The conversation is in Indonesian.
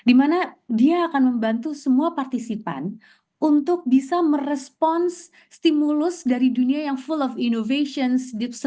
dimana dia akan membantu semua partisipan untuk bisa merespons stimulus dari dunia yang full of innovation